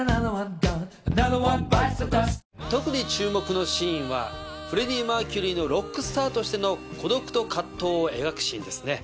特に注目のシーンはフレディ・マーキュリーのロックスターとしての孤独と藤を描くシーンですね。